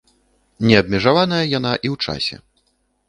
Не абмежаваная яна і ў часе.